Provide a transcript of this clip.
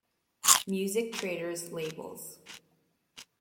Music Traitors labels.